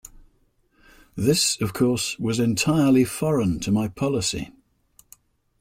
This, of course, was entirely foreign to my policy.